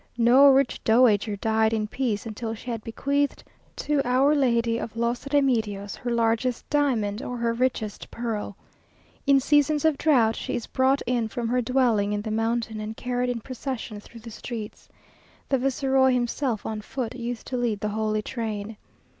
No rich dowager died in peace until she had bequeathed to Our Lady of Los Remedios her largest diamond, or her richest pearl. In seasons of drought she is brought in from her dwelling in the mountain, and carried in procession through the streets. The viceroy himself on foot used to lead the holy train.